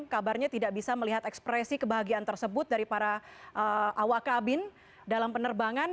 kabarnya tidak bisa melihat ekspresi kebahagiaan tersebut dari para awak kabin dalam penerbangan